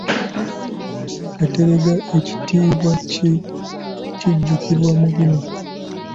Kateregga ekitiibwa kye kijjukirwa mu bino.